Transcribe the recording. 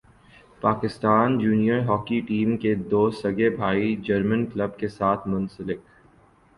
Pakistan junior hockey team کے دو سگے بھائی جرمن کلب کے ساتھ منسلک